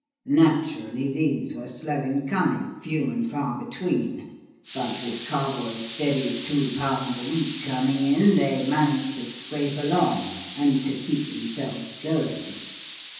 "Naturally, these were slow in coming, few and far between; but with Carboys' steady two pounds a week coming in, they managed to scrape along and to keep themselves going.